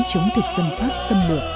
chống thịt dân pháp xâm lược